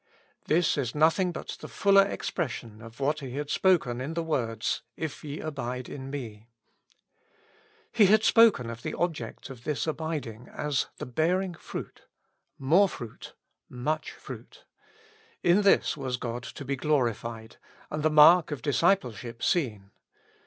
This is nothing but the fuller expression of what He had spoken in the words, " If ye abide in me." He had spoken of the object of this abiding as the bearing "fruit," "more fruit," * much fruit :" in this was God to be glorified, and 182 With Christ in the School of Prayer. the mark of discipleship seen.